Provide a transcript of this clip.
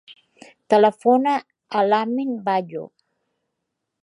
Telefona a l'Amin Bayo.